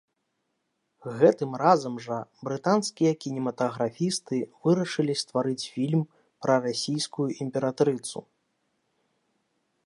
Гэтым разам жа брытанскія кінематаграфісты вырашылі стварыць фільм пра расійскую імператрыцу.